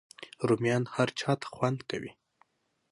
رومیان هر چاته خوند کوي